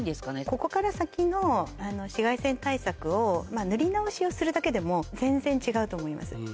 ここから先の紫外線対策を。をするだけでも全然違うと思います。